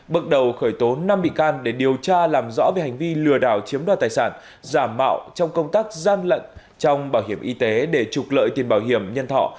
bước đầu khởi tố năm bị can để điều tra làm rõ về hành vi lừa đảo chiếm đoạt tài sản giảm mạo trong công tác gian lận trong bảo hiểm y tế để trục lợi tiền bảo hiểm nhân thọ